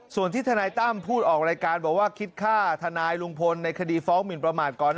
ส่วนที่ทนายตั้มพูดออกรายการบอกว่าคิดค่าทนายลุงพลในคดีฟ้องหมินประมาทก่อน